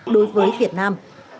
đối với việt nam